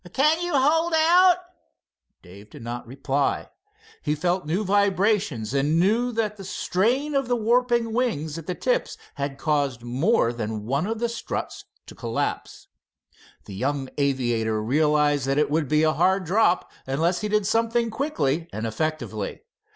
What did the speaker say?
"Can you hold out?" Dave did not reply. He felt new vibrations, and knew that the strain of warping the wings at the tips had caused more than one of the struts to collapse. The young aviator realized that it would be a hard drop unless he did something quickly and effectively.